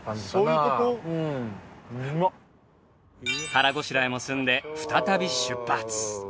腹ごしらえも済んで再び出発！